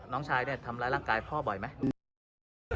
น้องชายเนี่ยทำร้ายร่างกายพ่อบ่อยไหม